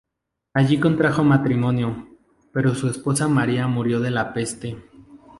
Allí contrajo matrimonio, pero su esposa Maria murió de la peste.